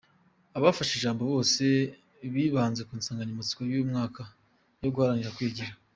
Abafashe ijambo bose bibanze ku nsanganyamatsiko y’uyu mwaka yo guharanira kwigira.